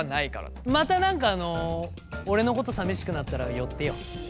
また何かあの俺のこと寂しくなったら寄ってよって。